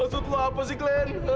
bahasa lo apa sih klen